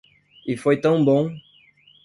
E foi tão bom!